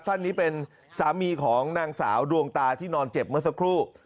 ท่านนี้เป็นสามีของนางสาวดวงตาที่นอนเจ็บเมื่อสักครู่